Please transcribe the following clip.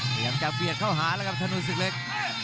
พยายามจะเบียดเข้าหาแล้วครับถนนศึกเล็ก